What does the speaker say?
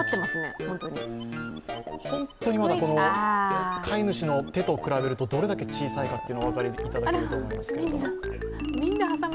本当にまだこの飼い主の手と比べるとどれだけ小さいかというのはお分かりいただけると思いますけれども。